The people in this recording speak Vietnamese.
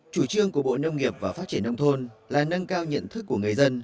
chủ trương của bộ nông nghiệp và phát triển nông thôn là nâng cao nhận thức của người dân